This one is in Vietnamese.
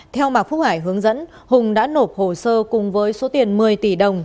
theo mạc phúc hải hướng dẫn hùng đã nộp hồ sơ cùng với số tiền một mươi tỷ đồng